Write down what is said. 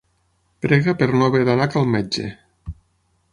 Prega per no haver d'anar a cal metge.